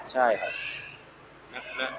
ใช่ครับ